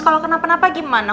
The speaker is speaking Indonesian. kalau kenapa napa gimana